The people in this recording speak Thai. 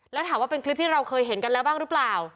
แล้วถามว่าเป็นคลิปที่เราเคยเห็นกันแล้วบ้างหรือเปล่า